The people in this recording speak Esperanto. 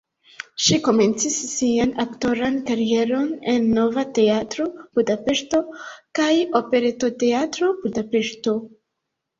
Ŝi komencis sian aktoran karieron en Nova Teatro (Budapeŝto) kaj Operetoteatro (Budapeŝto).